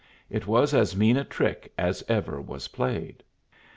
It was as mean a trick as ever was played."